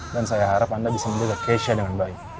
dan saya harap anda bisa melindungi keisha dengan baik